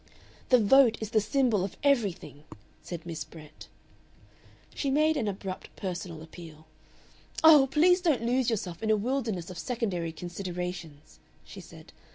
"The Vote is the symbol of everything," said Miss Brett. She made an abrupt personal appeal. "Oh! please don't lose yourself in a wilderness of secondary considerations," she said.